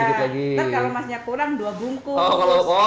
nanti kalau emasnya kurang dua bungkus